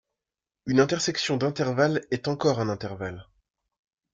Une intersection d'intervalles est encore un intervalle.